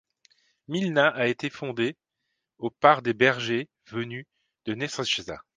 Milna a été fondée au par des bergers venus de Nerežišća.